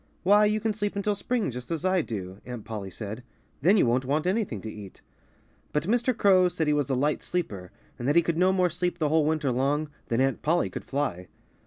"Why, you can sleep until spring, just as I do," Aunt Polly said. "Then you won't want anything to eat." But Mr. Crow said he was a light sleeper and that he could no more sleep the whole winter long than Aunt Polly could fly.